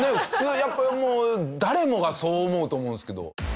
普通やっぱもう誰もがそう思うと思うんですけど。